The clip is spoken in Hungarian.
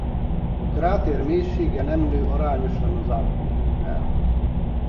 A kráter mélysége nem nő arányosan az átmérővel.